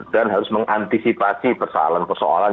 dan harus mengantisipasi persoalan persoalan